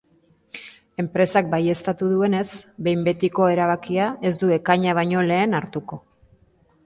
Enpresak baieztatu duenez, behin betiko erabakia ez du ekaina baino lehen hartuko.